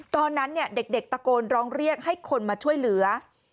ตอนนั้นเด็กตะโกนร้องเรียกให้คนมาช่วยเหลือ